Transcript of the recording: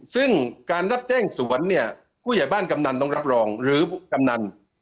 ซึ่งการรับแจ้งสวนเนี่ยผู้ใหญ่บ้านกำนันต้องรับรองหรือกำนัน